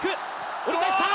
折り返した。